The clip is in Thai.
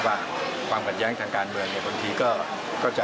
เราสามารถจัดตั้งรัฐบาลได้เรียบร้อย